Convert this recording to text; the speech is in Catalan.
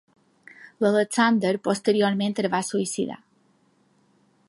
L'Alexander posteriorment es va suïcidar.